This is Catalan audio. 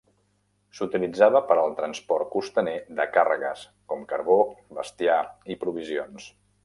S'utilitzava per al transport costaner de càrregues com carbó, bestiar i provisions.